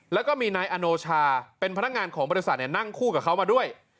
แล้วก็มีนายอโนชาเป็นพนักงานของบริษัทนั่งคู่กับเขามาด้วย